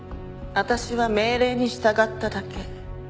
私は命令に従っただけ。